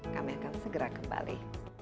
kami akan segera kembali